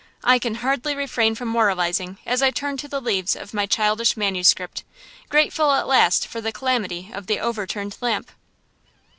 I can hardly refrain from moralizing as I turn to the leaves of my childish manuscript, grateful at last for the calamity of the overturned lamp.